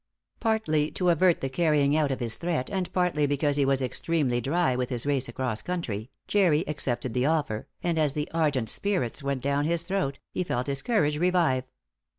Partly to avert the carrying out of this threat, and partly because he was extremely dry with his race across country, Jerry accepted the offer, and as the ardent spirits went down his throat, he felt his courage revive.